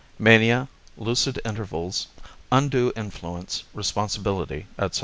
Mania, Lucid Intervals, Undue Influence, Responsibility, etc.